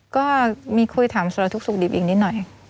ก็มีคุยถามสุรทุกข์สุขดิบอีกนิดหน่อย